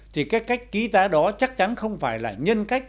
thì cái cách ký tá đó chắc chắn không phải là nhân cách